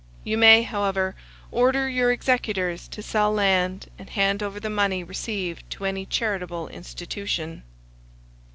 You may, however, order your executors to sell land and hand over the money received to any charitable institution.